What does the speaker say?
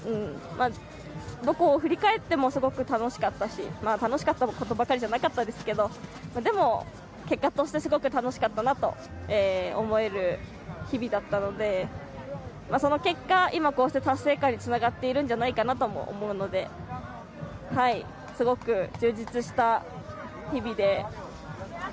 やりきったなという達成感だったりとかどこを振り返ってもすごく楽しかったし楽しかったことばかりじゃないですけどでも結果としてすごく楽しかったなと思える日々だったのでその結果、今こうして達成感につながってるんじゃないかなとも思うのですごく充実した日々で。